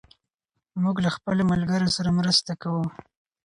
موږ له خپلو ملګرو سره مرسته کوو.